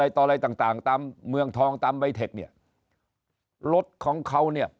ต่ออะไรต่างต่างตามเมืองทองตามใบเทคเนี่ยรถของเขาเนี่ย